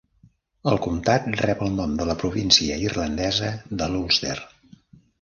El comtat rep el nom de la província irlandesa de l'Ulster.